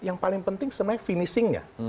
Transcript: yang paling penting sebenarnya finishing nya